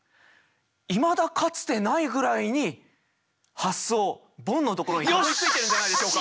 いまだかつてないぐらいに発想ボンのところにたどりついてるんじゃないでしょうか。